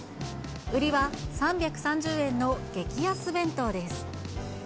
売りは３３０円の激安弁当です。